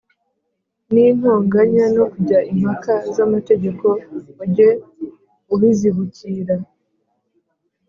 n’intonganya no kujya impaka z’amategeko ujye ubizibukira